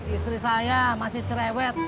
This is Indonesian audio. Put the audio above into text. istri saya masih cerewet